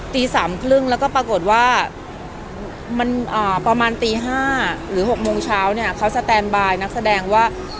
ตี๓๓๐แล้วก็ปรากฏว่ามันประมาณตี๕หรือ๖โมงเช้าเนี่ยเขาสแตนบายนักแสดงว่า